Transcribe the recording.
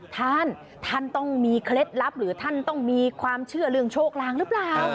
ท่านท่านต้องมีเคล็ดลับหรือท่านต้องมีความเชื่อเรื่องโชคลางหรือเปล่า